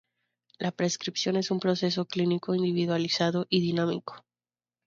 La prescripción es un proceso clínico individualizado y dinámico.